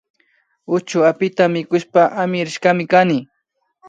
Uchuapita mikushpa amirishkami kani